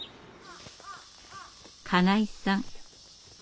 金井さん。